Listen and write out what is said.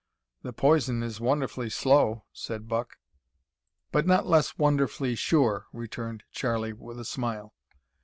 "The poison is wonderfully slow," said Buck. "But not less wonderfully sure," returned Charlie, with a smile.